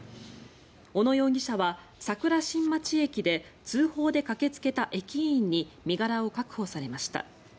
小野容疑者は桜新町駅で通報で駆けつけた駅員に身柄を確保されました。